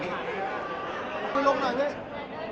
เพลงพี่หวาย